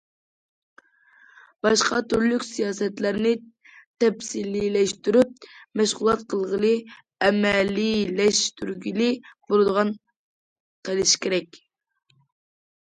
باشقا تۈرلۈك سىياسەتلەرنى تەپسىلىيلەشتۈرۈپ، مەشغۇلات قىلغىلى، ئەمەلىيلەشتۈرگىلى بولىدىغان قىلىش كېرەك.